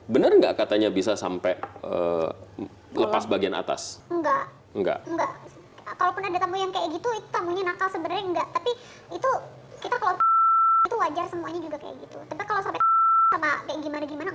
bener nggak katanya bisa sampai lepas bagian atas enggak enggak enggak itu wajar semuanya